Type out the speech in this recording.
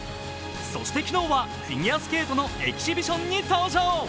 そして昨日はフィギュアスケートのエキシビションに登場。